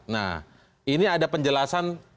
nah ini ada penjelasan